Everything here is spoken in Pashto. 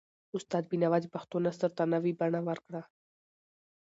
استاد بینوا د پښتو نثر ته نوي بڼه ورکړه.